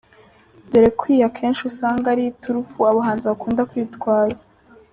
dore ko iyi akenshi usanga ari iturufu abahanzi bakunda kwitwaza.